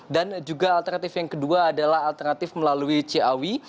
dan juga alternatif yang kedua adalah alternatif melalui ciawi